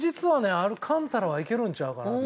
アルカンタラはいけるんちゃうかなと。